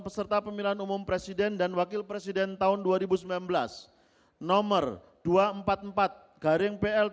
peserta pemilihan umum presiden dan wakil presiden tahun dua ribu sembilan belas nomor dua ratus empat puluh empat pl dua dua dua ribu tiga belas